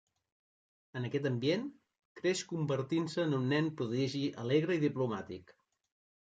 En aquest ambient, creix convertint-se en un nen prodigi alegre i diplomàtic.